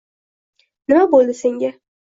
Nima bo`ldi senga